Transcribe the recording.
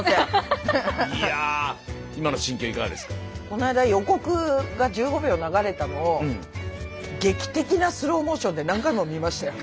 この間予告が１５秒流れたのを劇的なスローモーションで何回も見ましたよ。